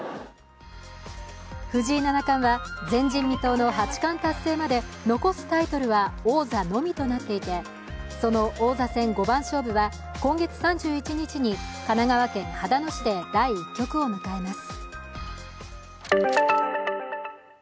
藤井七冠は前人未到の八冠達成まで残すタイトルは王座のみとなっていて、その王座戦五番勝負は今月３１日に神奈川県秦野市で第１局を迎えます。